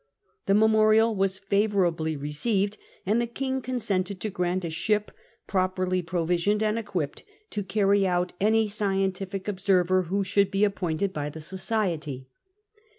The memorial was favourably received, and the king consented to grant a ship properly provisioned and equipi)ed to carry out any scientific observer who should be appointed by the Society.